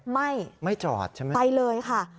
ไม่ไม่จอดใช่ไหมไปเลยค่ะ